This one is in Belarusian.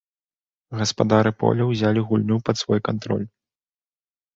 Гаспадары поля ўзялі гульню пад свой кантроль.